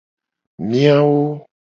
Miawo.